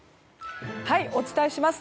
お伝えします。